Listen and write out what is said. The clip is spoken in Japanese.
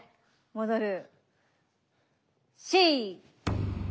戻る。